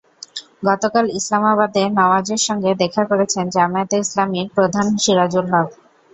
গতকাল ইসলামাবাদে নওয়াজের সঙ্গে দেখা করেছেন জামায়াতে ইসলামির প্রধান সিরাজুল হক।